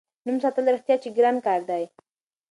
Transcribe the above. نوم ساتل رښتیا چې ګران کار دی.